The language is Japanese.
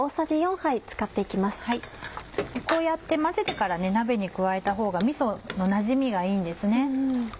こうやって混ぜてから鍋に加えたほうがみそのなじみがいいんですね。